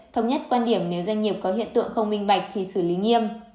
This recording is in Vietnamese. thống nhất quan điểm nếu doanh nghiệp có hiện tượng không minh bạch thì xử lý nghiêm